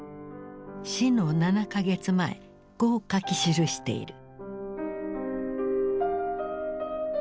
死の７か月前こう書き記している。